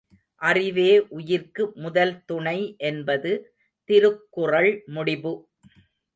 அறிவே உயிர்க்கு முதல்துணை என்பது திருக்குறள் முடிபு.